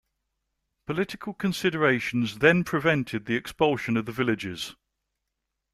Political considerations then prevented the expulsion of the villagers.